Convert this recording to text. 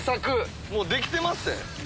もうできてまっせ。